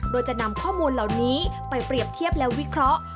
โดยจะนำข้อมูลเหล่านี้ไปเปรียบเทียบและวิเคราะห์